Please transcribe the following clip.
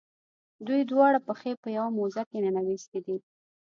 دوی دواړه پښې په یوه موزه کې ننویستي دي.